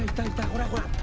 ほらほら。